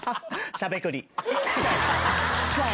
『しゃべくり』。